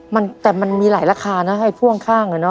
มันแต่มันมีหลายราคานะให้พ่วงข้างอ่ะเนอ